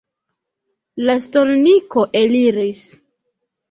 La stolniko eliris.